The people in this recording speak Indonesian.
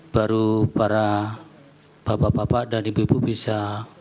baru para bapak bapak dan ibu ibu bisa